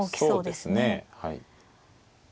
そうですねはい。